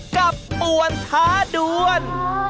กับปืนทาดวน